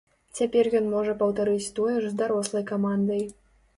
Цяпер ён можа паўтарыць тое ж з дарослай камандай.